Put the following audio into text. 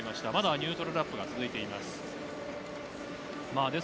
ニュートラルラップが続いています。